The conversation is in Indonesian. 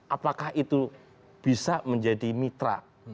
apakah itu bisa menjadi mitra